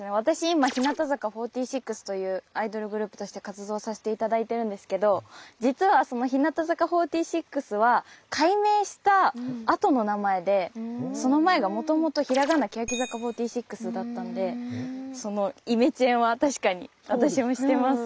今「日向坂４６」というアイドルグループとして活動させて頂いてるんですけど実はその「日向坂４６」は改名した後の名前でその前がもともとひらがなけやき坂４６だったんでそのイメチェンは確かに私もしてます。